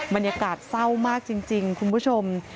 บรรยากาศเศร้ามากจริงคุณผู้ชม